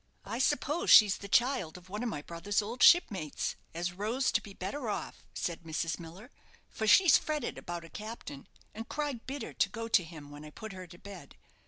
"I suppose she's the child of one of my brother's old shipmates, as rose to be better off," said Mrs. Miller, "for she's fretted about a captain, and cried bitter to go to him when I put her to bed."